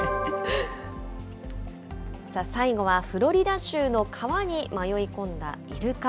最後はフロリダ州の川に迷い込んだイルカ。